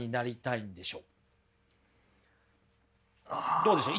どうでしょう。